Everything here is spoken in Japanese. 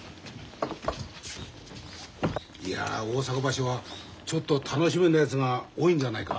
いや大阪場所はちょっと楽しみなやつが多いんじゃないか？